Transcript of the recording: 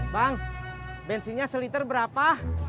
bang bensinnya seliter berapa